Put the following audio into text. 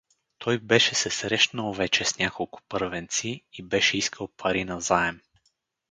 Той беше се срещнал вече с няколко първенци и беше искал пари назаем.